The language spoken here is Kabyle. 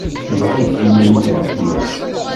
Yuɣal-d yiminig ɣer tmurt.